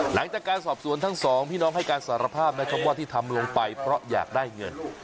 หลังจากการสอบสวนทั้งสองพี่น้องให้การสารภาพนะครับว่าที่ทำลงไปเพราะอยากได้เงิน